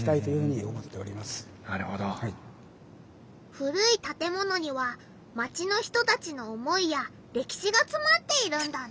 古い建物にはマチの人たちの思いやれきしがつまっているんだな。